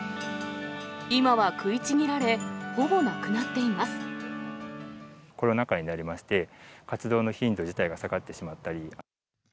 今は食いちぎられ、ほぼなくなっコロナ禍になりまして、活動の頻度自体が下がってしまったり。